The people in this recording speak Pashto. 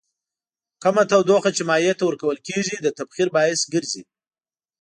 کومه تودوخه چې مایع ته ورکول کیږي د تبخیر باعث ګرځي.